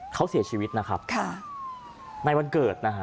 เขาเสียชีวิตครับในวันเกิด